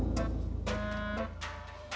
disini nggak ada